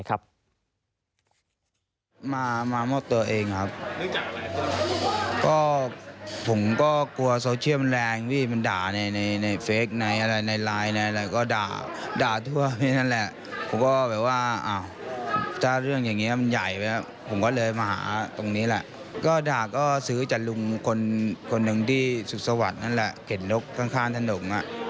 หรือว่ายาเสพติดแต่อย่างใดนะครับ